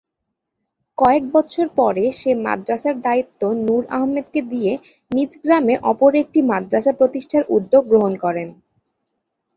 কয়েক বৎসর পর সে মাদ্রাসার দায়িত্ব নুর আহমদকে দিয়ে নিজ গ্রামে অপর একটি মাদ্রাসা প্রতিষ্ঠার উদ্যোগ গ্রহণ করেন।